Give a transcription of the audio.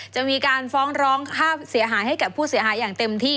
จะมีการฟ้องร้องค่าเสียหายให้กับผู้เสียหายอย่างเต็มที่